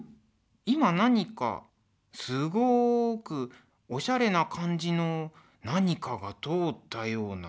今何かすごくおしゃれな感じの何かが通ったような。